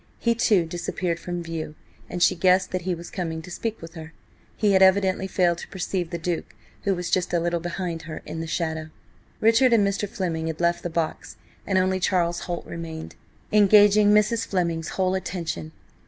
He, too, disappeared from view, and she guessed that he was coming to speak with her. He had evidently failed to perceive the Duke, who was just a little behind her in the shadow. Richard and Mr. Fleming had left the box, and only Charles Holt remained, engaging Mrs. Fleming's whole attention.